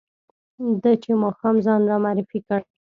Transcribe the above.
ده چې ماښام ځان را معرفي کړ.